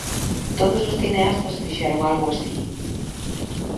Todos os cineastas fixeron algo así.